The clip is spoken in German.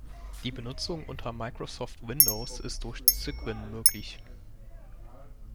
Die Benutzung unter Microsoft Windows ist durch Cygwin möglich.